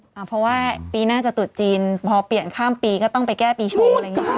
เพราะว่าปีหน้าจะตุดจีนพอเปลี่ยนข้ามปีก็ต้องไปแก้ปีชงอะไรอย่างนี้ค่ะ